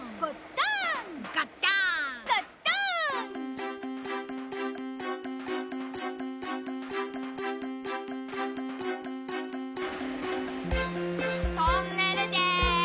トンネルです。